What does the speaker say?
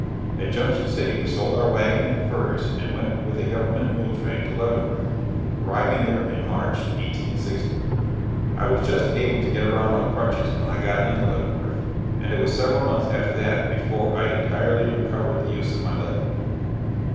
At Junction City we sold our wagon and furs and went with a government mule train to Leavenworth arriving there in March, 1860. I was just able to get around on crutches when I got into Leavenworth, and it was several months after that before I entirely recovered the use of my leg.